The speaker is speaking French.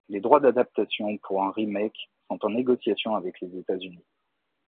Les droits d'adaptation pour un remake sont en négociation avec les États-Unis.